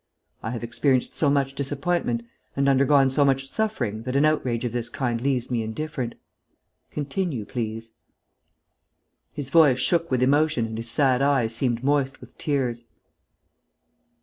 I have experienced so much disappointment and undergone so much suffering that an outrage of this kind leaves me indifferent. Continue, please." His voice shook with emotion and his sad eyes seemed moist with tears.